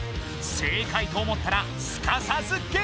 正解と思ったらすかさずゲットだ！